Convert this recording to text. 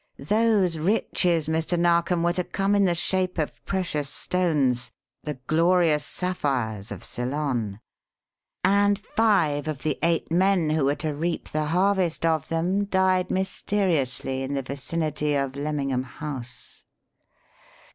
Those riches, Mr. Narkom, were to come in the shape of precious stones, the glorious sapphires of Ceylon. And five of the eight men who were to reap the harvest of them died mysteriously in the vicinity of Lemmingham House."